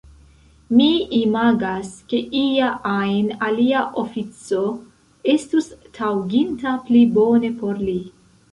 Mi imagas, ke ia ajn alia ofico estus taŭginta pli bone por li.